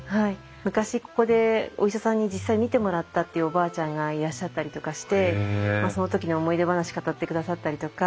昔ここでお医者さんに実際診てもらったっていうおばあちゃんがいらっしゃったりとかしてその時の思い出話語ってくださったりとか。